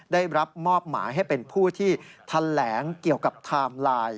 ได้รับมอบหมายให้เป็นผู้ที่แถลงเกี่ยวกับไทม์ไลน์